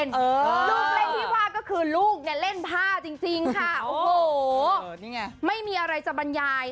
ลูกเล่นที่ว่าก็คือลูกเนี่ยเล่นผ้าจริงค่ะโอ้โหนี่ไงไม่มีอะไรจะบรรยาย